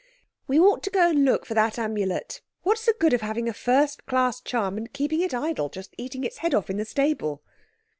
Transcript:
"We ought to go and look for that Amulet. What's the good of having a first class charm and keeping it idle, just eating its head off in the stable."